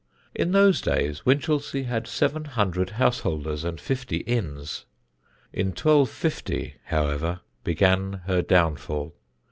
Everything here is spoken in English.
In those days Winchelsea had seven hundred householders and fifty inns. In 1250, however, began her downfall.